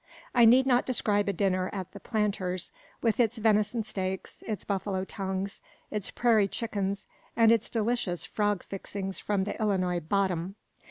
I need not describe a dinner at the "Planters'," with its venison steaks, its buffalo tongues, its prairie chickens, and its delicious frog fixings from the Illinois "bottom."